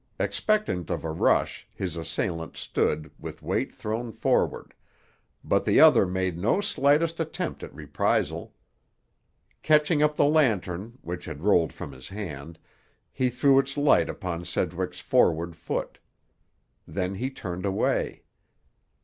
Expectant of a rush, his assailant stood, with weight thrown forward; but the other made no slightest attempt at reprisal. Catching up the lantern, which had rolled from his hand, he threw its light upon Sedgwick's forward foot. Then he turned away.